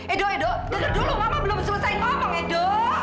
edo edo dulu mama belum selesai ngomong edo